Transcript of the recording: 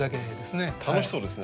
楽しそうですね。